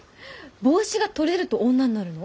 帽子が取れると女になるの？